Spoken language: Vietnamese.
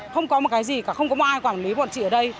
không có một cái gì cả không có ai quản lý bọn chị ở đây